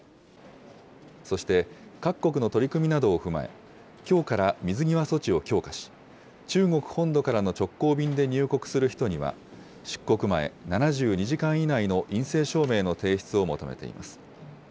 そして、各国の取り組みなどを踏まえ、きょうから水際措置を強化し、中国本土からの直行便で入国する人には、出国前７２時間以内の陰性証明の提出を求めています。